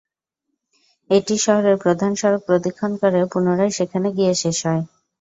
এটি শহরের প্রধান সড়ক প্রদক্ষিণ করে পুনরায় সেখানে গিয়ে শেষ হয়।